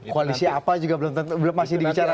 koalisi apa juga belum masih dibicarakan